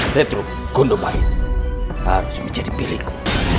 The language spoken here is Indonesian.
tetuk kondom baik harus menjadi pilihku